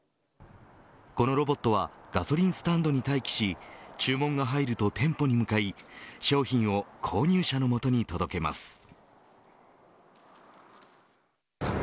このロボットはガソリンスタンドに待機し注文が入ると店舗に向かい商品を購入者の元に届けます。